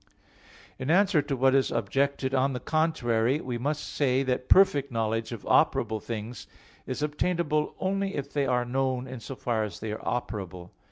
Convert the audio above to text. In answer to what is objected on the contrary, we must say that perfect knowledge of operable things is obtainable only if they are known in so far as they are operable.